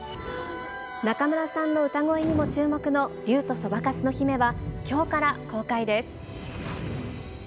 中村さんの歌声にも注目の竜とそばかすの姫は、きょうから公開です。